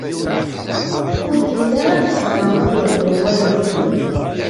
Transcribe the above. Ur telli ara teẓra ad yeḍru waya.